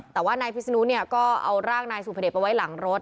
แต่ว่านายพิศนุเนี่ยก็เอาร่างนายสุพเด็จมาไว้หลังรถ